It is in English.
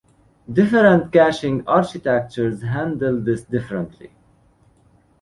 Different caching architectures handle this differently.